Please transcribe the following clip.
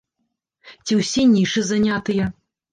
Ці ўсе нішы занятыя?